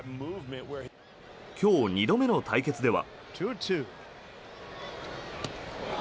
今日２度目の対決では。